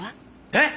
えっ！？